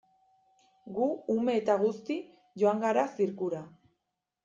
Gu ume eta guzti joan gara zirkura.